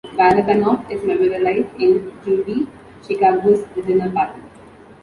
Balabanoff is memorialized in Judy Chicago's "The Dinner Party".